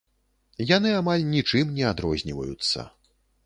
Яны амаль нічым не адрозніваюцца.